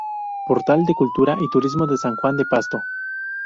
Portal de cultura y turismo de san Juan de Pasto